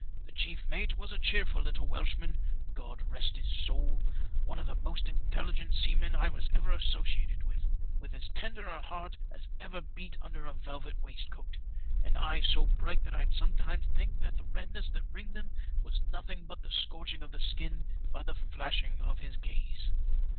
The chief mate was a cheerful little Welshman — God rest his soul! — one of the most intelligent seamen I was ever associated with, with as tender a heart as ever beat under a velvet waistcoat, and eyes so bright that I'd sometimes think that the redness that ringed them was nothing but the scorching of the skin by the flashing of his gaze.